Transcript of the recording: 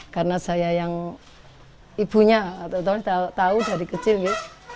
karena saya yang ibunya atau tau dari kecil nih